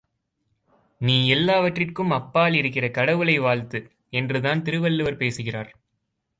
நீ எல்லாவற்றிற்கும் அப்பால் இருக்கிற கடவுளை வாழ்த்து என்றுதான் திருவள்ளுவர் பேசுகிறார்.